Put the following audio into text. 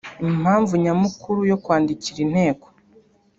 Impamvu nyamukuru yo kwandikira inteko